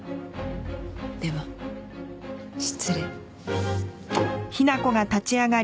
では失礼。